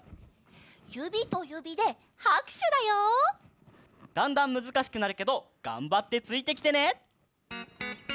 ゆびとゆびではくしゅだよ。だんだんむずかしくなるけどがんばってついてきてね！